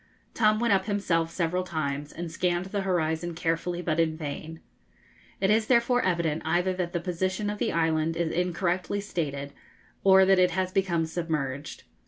Tom went up himself several times and scanned the horizon carefully, but in vain. It is therefore evident either that the position of the island is incorrectly stated, or that it has become submerged.